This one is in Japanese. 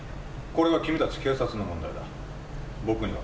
これは君たち警察の問題だ。